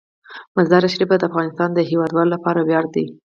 مزارشریف د افغانستان د هیوادوالو لپاره ویاړ دی.